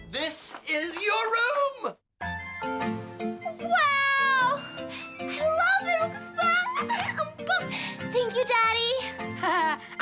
terima kasih ayah